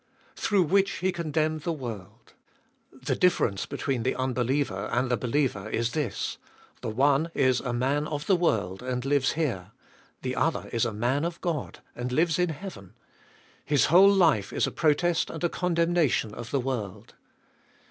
Through which faith he condemned the world. The differ ence between the unbeliever and the believer is this : the one is a man of the world, and lives here ; the other is a man of God, and lives in heaven. His whole life is a protest and a con demnation of the world.